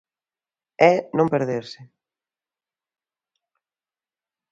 É non perderse.